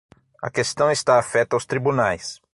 A questão está afeta aos tribunais.